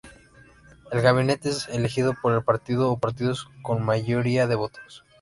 El gabinete es elegido por el partido o partidos con mayoría de votos.